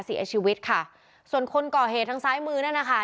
เสียชีวิตค่ะส่วนคนก่อเหตุทางซ้ายมือนั่นนะคะ